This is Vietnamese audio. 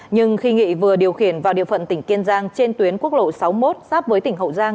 nhưng khi nghị vừa điều khiển vào địa phận tỉnh kiên giang trên tuyến quốc lộ sáu mươi một sắp với tỉnh hậu giang